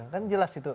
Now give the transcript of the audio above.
kan jelas itu